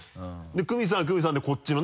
クミさんはクミさんでこっちのね